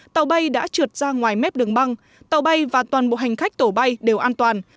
tàu bay đã trượt ra ngoài mép đường băng tàu bay và toàn bộ hành khách tổ bay đều an toàn